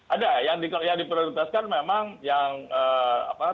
ada yang diprioritaskan memang yang apa